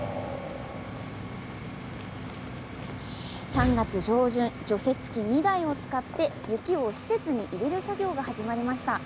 ３月上旬除雪機２台使って雪を施設に入れる作業が始まりました。